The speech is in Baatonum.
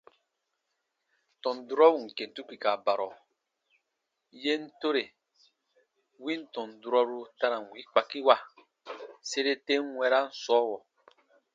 Tɔn durɔ ù n kentu kpika barɔ, yen tore win tɔn durɔru ta ra n wii kpakiiwa sere ten wɛ̃ran sɔɔwɔ.